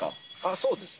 そうですね。